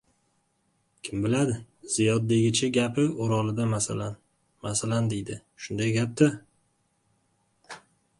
— Kim biladi. Ziyod degichi gapi o‘rolida masalan, masalan, deydi. Shunday gap-da.